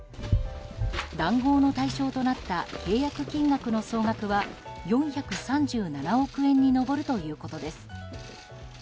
談合の対象となった契約金額の総額は４３７億円に上るということです。